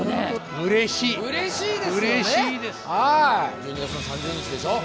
１２月の３０日でしょ